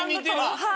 はい。